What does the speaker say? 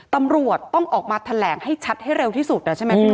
ตำรวจต้องออกมาแถลงให้ชัดให้เร็วที่สุดใช่ไหม